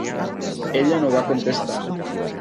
Ella no va contestar.